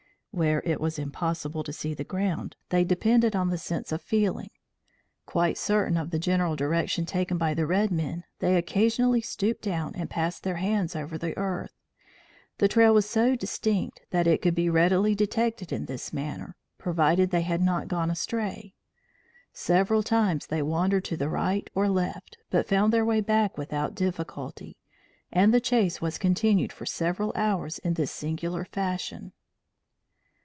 Where it was impossible to see the ground, they depended on the sense of feeling. Quite certain of the general direction taken by the red men, they occasionally stooped down and passed their hands over the earth. The trail was so distinct that it could be readily detected in this manner, provided they had not gone astray. Several times they wandered to the right or left, but found their way back without difficulty, and the chase was continued for several hours in this singular fashion.